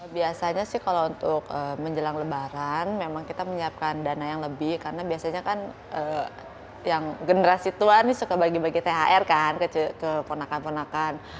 biasanya sih kalau untuk menjelang lebaran memang kita menyiapkan dana yang lebih karena biasanya kan yang generasi tua ini suka bagi bagi thr kan ke ponakan ponakan